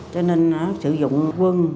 cho nên sử dụng quân